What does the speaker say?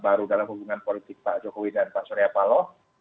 baru dalam hubungan politik pak jokowi dan pak suryapalo